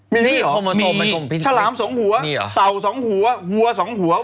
มีหรือนี่อ่ะมีฉลาม๒หัวเต่า๒หัวหัว๒หัว